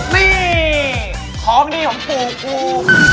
นี่ของดีของปู่กู